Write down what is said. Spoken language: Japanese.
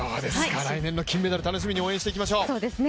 来年の金メダル、楽しみに応援していきましょう。